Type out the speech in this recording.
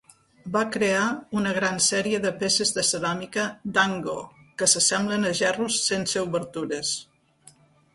Va crear una gran sèrie de peces de ceràmica "Dango" que s'assemblen a gerros sense obertures.